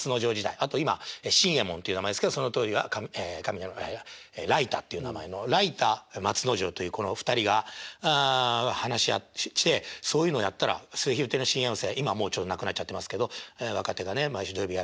あと今伸衛門っていう名前ですけどその当時は雷太っていう名前の雷太松之丞というこの２人が話し合いをしてそういうのやったら末廣亭の深夜寄席今なくなっちゃってますけど若手がね毎週土曜日やる。